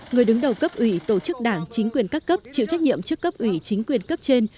người đứng đầu cấp ủy tổ chức đảng chính quyền các cấp chịu trách nhiệm trước cấp ủy chính quyền cấp trên